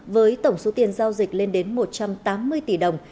với tổng số tiền giao dịch lên đến một trăm tám mươi tỷ đồng